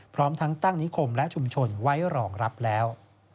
พร้อมทั้งตั้งนิคมและชุมชนไว้รองรับแล้ว